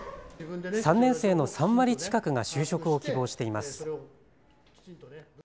３年生の３割近くが就職を希望しています。